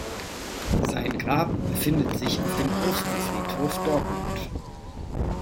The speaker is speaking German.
Sein Grab befindet sich auf dem Ostenfriedhof Dortmund.